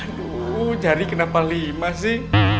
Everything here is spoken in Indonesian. aduh jari kenapa lima sih